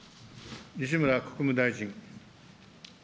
西村国務大臣。